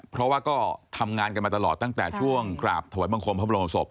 เพราะว่าก็ทำงานกันมาตลอดตั้งแต่ช่วงกราบถวายบังคมพระบรมศพ